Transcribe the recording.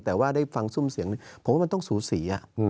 แต่ว่าได้ฟังซุ่มเสียงหนึ่งผมว่ามันต้องสูสี